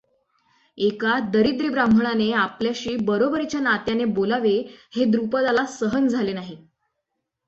एका दरिद्री ब्राम्हणाने आपल्याशी बरोबरीच्या नात्याने बोलावे हे द्रुपदाला सहन झाले नाही.